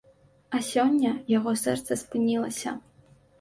А сёння яго сэрца спынілася.